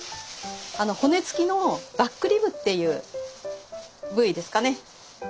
骨付きのバックリブっていう部位ですかね。